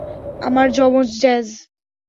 আমার জমজ, জ্যাজ।